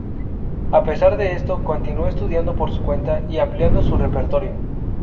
A pesar de esto, continuó estudiando por su cuenta y ampliando su repertorio.